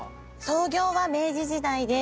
創業が明治時代で。